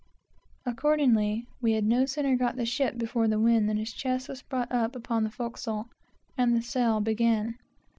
Accordingly, we had no sooner got the ship before the wind, than his chest was brought up upon the forecastle, and the sale began.